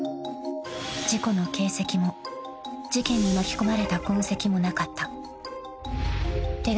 ［事故の形跡も事件に巻き込まれた痕跡もなかった］